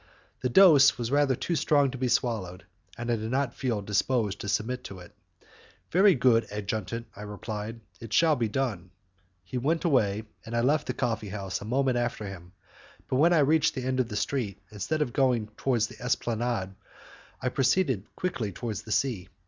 The dose was rather too strong to be swallowed, and I did not feel disposed to submit to it. "Very good, adjutant," I replied, "it shall be done." He went away, and I left the coffee house a moment after him, but when I reached the end of the street, instead of going towards the esplanade, I proceeded quickly towards the sea.